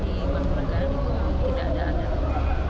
tapi kalau yang jelas di pura mangkunegaran itu tidak ada adat